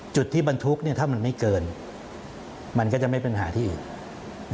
จุดที่บรรทุกถ้ามันไม่เกินมันก็จะไม่มีปัญหาที่อื่น